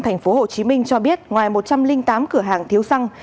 thành phố hồ chí minh cho biết ngoài một trăm linh tám cửa hàng thiếu xăng